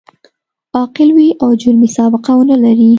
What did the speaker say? عاقل وي او جرمي سابقه و نه لري.